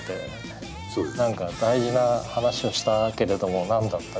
何か大事な話をしたけれども何だったか。